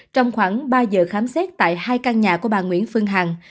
trong khoảng ba giờ khám xét tại hai căn nhà của bà nguyễn phương hằng